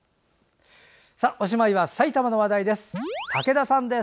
おしまいは埼玉の話題です。